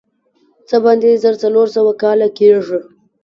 څه باندې زر څلور سوه کاله کېږي.